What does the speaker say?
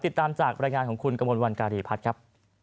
ติดตามจากบรรยายงานของคุณกระมวลวันการีพัฒน์ครับ